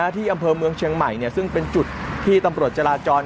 ที่อำเภอเมืองเชียงใหม่ซึ่งเป็นจุดที่ตำรวจจราจร